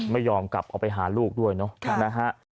ไม่ยอมกลับออกไปหาลูกด้วยเนาะนะฮะ